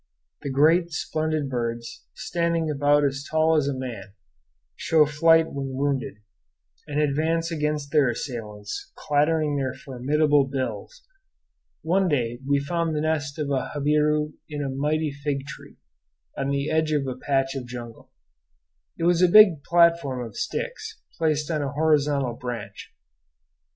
The great, splendid birds, standing about as tall as a man, show fight when wounded, and advance against their assailants, clattering their formidable bills. One day we found the nest of a jabiru in a mighty fig tree, on the edge of a patch of jungle. It was a big platform of sticks, placed on a horizontal branch.